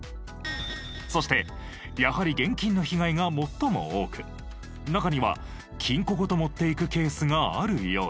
そしてやはり現金の被害が最も多く中には金庫ごと持っていくケースがあるようで。